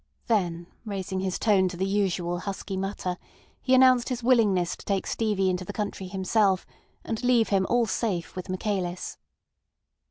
Then raising his tone to the usual husky mutter, he announced his willingness to take Stevie into the country himself, and leave him all safe with Michaelis.